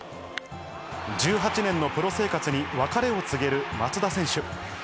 １８年のプロ生活に別れを告げる松田選手。